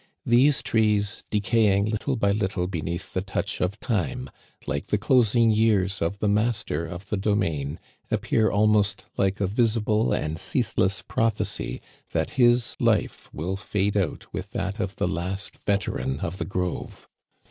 These trees, decaying little by little beneath the touch of time, like the closing years of the master of the domain, appear almost like a visible and cease less prophecy that his life will fade out with that of the last veteran of the grove.